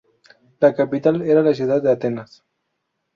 La capital era la ciudad de Atenas.